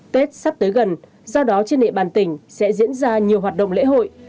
tết sắp tới gần do đó trên địa bàn tỉnh sẽ diễn ra nhiều hoạt động lễ hội